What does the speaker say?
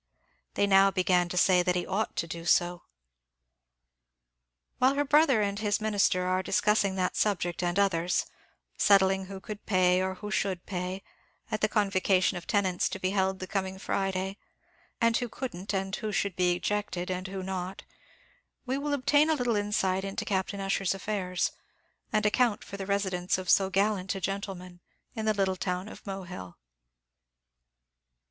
They now began to say that he ought to do so. While her brother and his minister are discussing that subject, and others settling who could pay, or who should pay, at the convocation of the tenants to be held on the coming Friday, and who couldn't, and who should be ejected, and who not we will obtain a little insight into Captain Ussher's affairs, and account for the residence of so gallant a gentleman in the little town of Mohill.